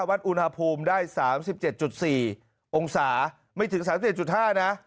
วัดอุณหภูมิได้๓๗๔องศาไม่ถึง๓๗๕นะ